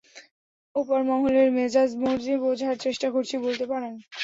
উপরমহলের মেজাজমর্জি বোঝার চেষ্টা করছি, বলতে পারেন।